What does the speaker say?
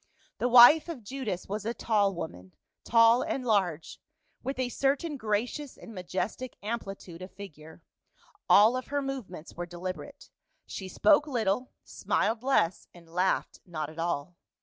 The wife of THE CHOSEN AND THE ACCURSED. 119 Judas was a tall woman, tall and large, with a certain gracious and majestic amplitude of figure. All of her movements were deliberate ; she spoke little, smiled less, and laughed not at all.